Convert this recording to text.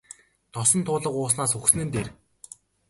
Тосон туулга ууснаас үхсэн нь дээр.